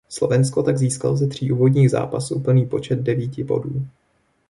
Slovensko tak získalo ze tří úvodních zápasů plný počet devíti bodů.